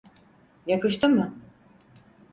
Yakıştı mı?